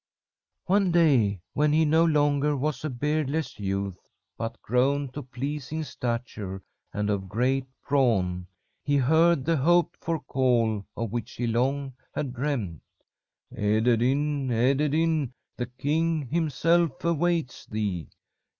"One day, when he no longer was a beardless youth, but grown to pleasing stature and of great brawn, he heard the hoped for call of which he long had dreamed: 'Ederyn! Ederyn! The king himself awaits thee.